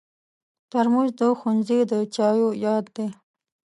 ترموز د ښوونځي د چایو یاد دی.